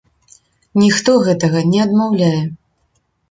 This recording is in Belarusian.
Ніхто гэтага не адмаўляе.